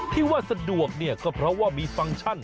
ที่ว่าสะดวกเนี่ยก็เพราะว่ามีฟังก์ชัน